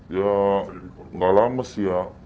ya nggak lama sih ya